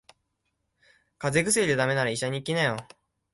風邪薬で駄目なら医者に行きなよ。